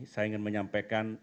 saya ingin menyampaikan